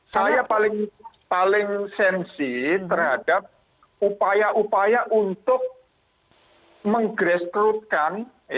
saya paling sensi terhadap upaya upaya untuk meng grassrootkan